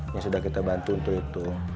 yang sudah kita bantu untuk itu